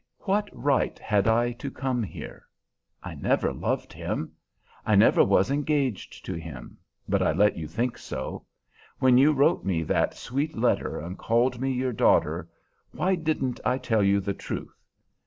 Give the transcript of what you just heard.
What right had I to come here? I never loved him. I never was engaged to him, but I let you think so. When you wrote me that sweet letter and called me your daughter, why didn't I tell you the truth?